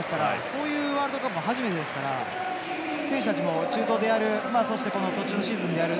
こういうワールドカップも初めてですから選手たちも中東でやる途中のシーズンでやる。